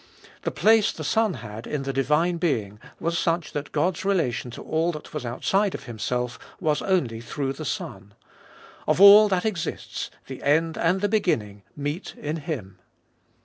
The place the Son had in the divine Being was such that God's relation to all that was outside of Himself was only through the Son. Of all that exists the end and the beginning meet in Him.